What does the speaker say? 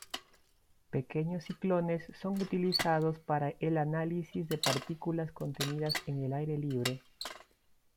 Pequeños ciclones son utilizados para el análisis de partículas contenidas en el aire libre.